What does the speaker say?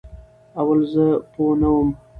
اول زه پوهه نه وم